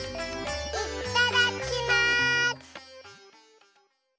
いっただきます！